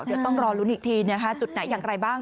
เดี๋ยวต้องรอลุ้นอีกทีนะคะจุดไหนอย่างไรบ้าง